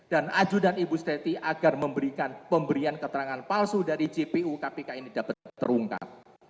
dan adjudan ibu steti agar memberikan pemberian keterangan palsu dari jpu kpk ini dapat terungkap